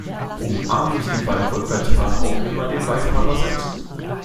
Umarmen Sie beim Rückwärtsfahren auch immer den Beifahrersitz?